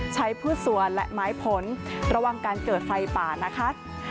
พืชสวนและไม้ผลระวังการเกิดไฟป่านะคะ